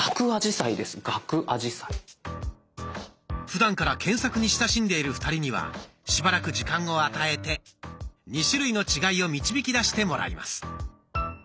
ふだんから検索に親しんでいる２人にはしばらく時間を与えて２種類の違いを導きだしてもらいます。